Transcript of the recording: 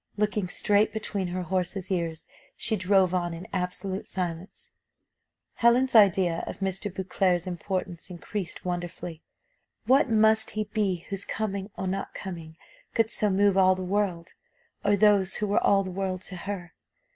Looking straight between her horses' ears, she drove on in absolute silence. Helen's idea of Mr. Beauclerc's importance increased wonderfully. What must he be whose coming or not coming could so move all the world, or those who were all the world to her?